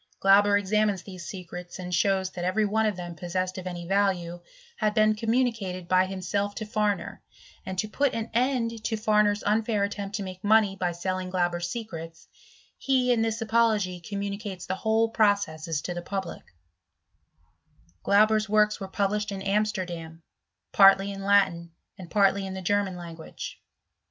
Glauber examines these secrets, and shows that every one of them possessed of any value, had been communicated by himself to Farmer, and to put an end to Farmer's unfair attempt to make money by selling Glauber's secrets, he in this apology communicates the whole processes to the public j Glauber*8 works were published in Amsterdam, partly in Latin, and partly in the German language.